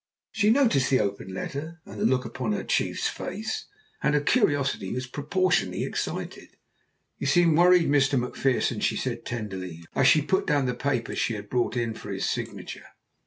She noticed the open letter and the look upon her chief's face, and her curiosity was proportionately excited. "You seem worried, Mr. McPherson," she said tenderly, as she put down the papers she had brought in for his signature.